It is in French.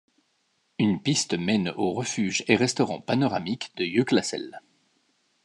Une piste mène au refuge et restaurant panoramique de Jöklasel.